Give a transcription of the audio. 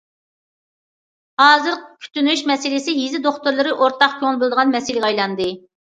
ھازىر كۈتۈنۈش مەسىلىسى يېزا دوختۇرلىرى ئورتاق كۆڭۈل بۆلىدىغان مەسىلىگە ئايلاندى.